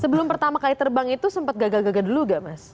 sebelum pertama kali terbang itu sempat gagal gagal dulu gak mas